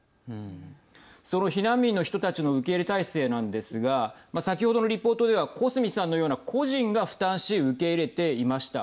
その避難民の人たちの受け入れ体制なんですが先ほどのリポートでは小澄さんのような個人が負担し受け入れていました。